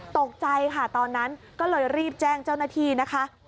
ตกใจค่ะตอนนั้นก็เลยรีบแจ้งเจ้าหน้าที่นะคะ